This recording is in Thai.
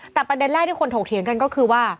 แต่ประเด็นแรกที่คนถกเถียงกันก็คือว่า